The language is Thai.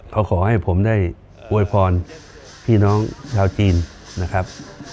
ก็ขอให้ผมได้อวยพรพี่น้องชาวจีนนะครับ